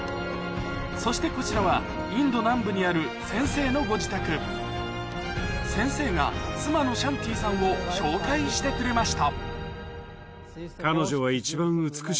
そしてこちらはインド南部にある先生のご自宅先生が妻のシャンティさんを紹介してくれました